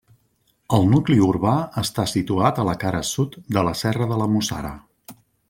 El nucli urbà està situat a la cara sud de la serra de la Mussara.